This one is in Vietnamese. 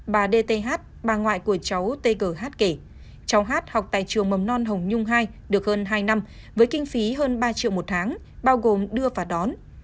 bà đê tê hát bà ngoại của cháu tê cờ hát kể cháu hát học tại trường mầm non hồng nhung ii được hơn hai năm với kinh phí hơn ba triệu một tháng bao gồm đưa và đón